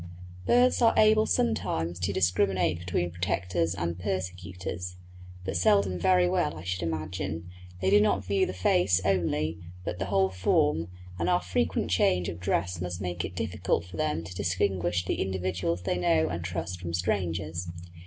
Birds are able sometimes to discriminate between protectors and persecutors, but seldom very well I should imagine; they do not view the face only, but the whole form, and our frequent change of dress must make it difficult for them to distinguish the individuals they know and trust from strangers.